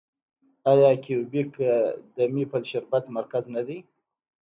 آیا کیوبیک د میپل شربت مرکز نه دی؟